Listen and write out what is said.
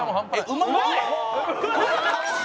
うまい！